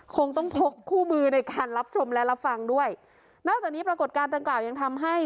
คงต้องพกคู่มือในการรับชมและรับฟังด้วยนอกจากนี้ปรากฏการณ์ดังกล่าวยังทำให้